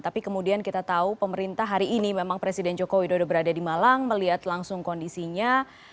tapi kemudian kita tahu pemerintah hari ini memang presiden joko widodo berada di malang melihat langsung kondisinya